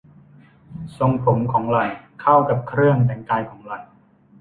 ทรงผมของหล่อนเข้ากันกับเครื่องแต่งกายของหล่อน